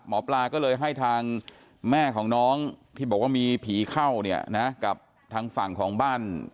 หมอปลาก็เลยให้ทางแม่ของน้องที่บอกว่ามีผีเข้าเนี่ยนะกับทางฝั่งของบ้าน